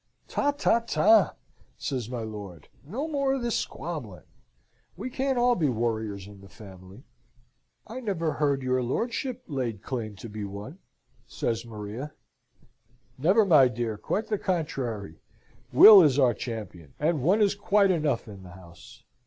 "Ta, ta, ta!" says my lord. "No more of this squabbling! We can't be all warriors in the family!" "I never heard your lordship laid claim to be one!" says Maria. "Never, my dear; quite the contrary! Will is our champion, and one is quite enough in the house.